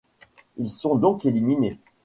Ils sont donc éliminés.